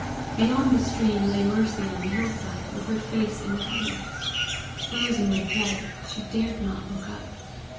Beyond the stream lay Mercy on the hillside, with her face in the heather. Frozen with dread, she dared not look up.